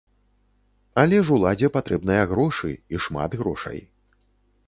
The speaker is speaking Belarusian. Але ж уладзе патрэбныя грошы, і шмат грошай.